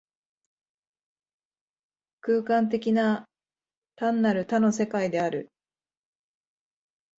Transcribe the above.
空間的な、単なる多の世界である。